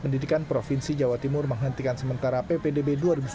pendidikan provinsi jawa timur menghentikan sementara ppdb dua ribu sembilan belas